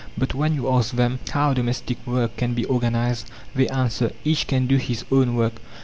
But when you ask them how domestic work can be organized, they answer: "Each can do 'his own work.'